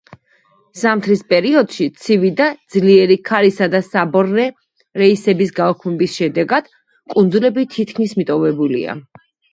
ზამთრის პერიოდში, ცივი და ძლიერი ქარისა და საბორნე რეისების გაუქმების შედეგად, კუნძულები თითქმის მიტოვებულია.